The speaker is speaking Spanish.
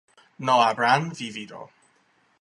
no habrán vivido